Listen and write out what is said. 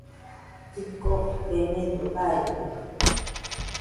Jɨko benedo jaide